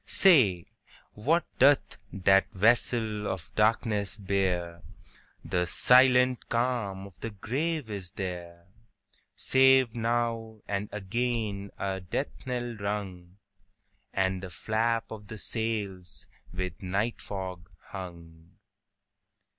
Say, what doth that vessel of darkness bear? The silent calm of the grave is there, Save now and again a death knell rung, And the flap of the sails with night fog hung.